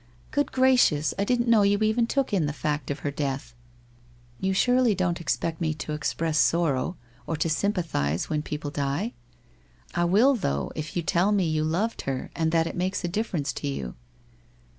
' Good gracious, I didn't know you even took in the fact of her death ?'' You surely don't expect me to express sorrow, or to sympathize when people die! I will, though, if you tell me you loved her and that it makes a difference to you?